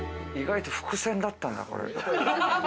意外と伏線だったんだ。